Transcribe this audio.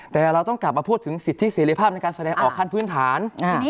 แต่เราต้องกลับมาพูดถึงสิทธิเสรีภาพในการแสดงออกขั้นพื้นฐาน